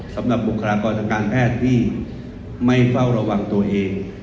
สำหรับบุคลากรรมการแพทย์ที่ไม่เฝ้าระวังตัวเอง